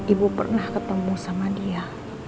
ibu pernah ketemu sama dia